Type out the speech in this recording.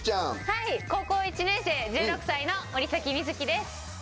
はい高校１年生１６歳の森美月です。